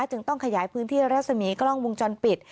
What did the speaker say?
จึงต้องขยายพื้นที่รัศมีกล้องวงจรปิด